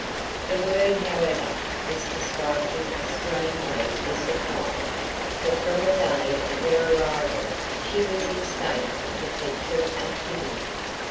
The word, however, was to strike him as strangely misapplied, for from the day of their arrival she was in state of perpetual activity.